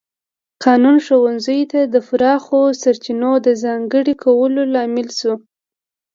قانون ښوونځیو ته پراخو سرچینو د ځانګړي کولو لامل شو.